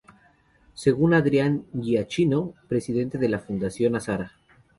Según Adrián Giacchino, presidente de la Fundación Azara.